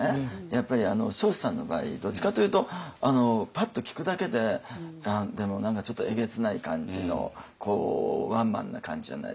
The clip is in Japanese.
やっぱり彰子さんの場合どっちかというとパッと聞くだけで何かちょっとえげつない感じのこうワンマンな感じじゃないですか。